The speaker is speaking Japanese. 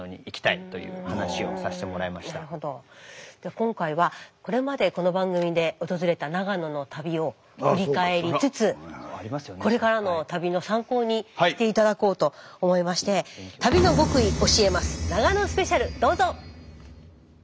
今回はこれまでこの番組で訪れた長野の旅を振り返りつつこれからの旅の参考にして頂こうと思いましてどうぞ！